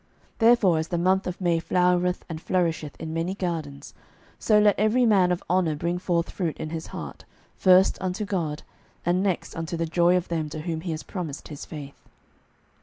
Therefore, as the month of May flowereth and flourisheth in many gardens, so let every man of honour bring forth fruit in his heart, first unto God, and next unto the joy of them to whom he has promised his faith.